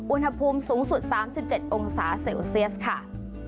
อุณหภูมิสูงสุด๓๗องศาเซลเซียสค่ะ